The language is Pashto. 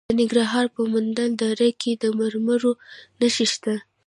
د ننګرهار په مومند دره کې د مرمرو نښې شته.